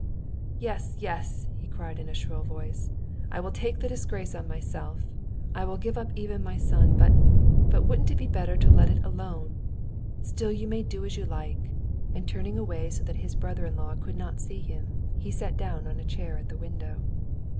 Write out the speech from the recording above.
"Yes, yes!" he cried in a shrill voice. "I will take the disgrace on myself, I will give up even my son, but ... but wouldn't it be better to let it alone? Still you may do as you like...." And turning away so that his brother in law could not see him, he sat down on a chair at the window.